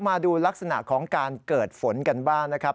มาดูลักษณะของการเกิดฝนกันบ้างนะครับ